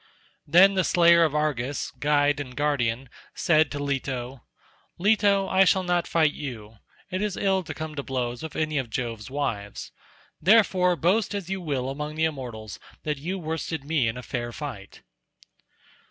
Then the slayer of Argus, guide and guardian, said to Leto, "Leto, I shall not fight you; it is ill to come to blows with any of Jove's wives. Therefore boast as you will among the immortals that you worsted me in fair fight."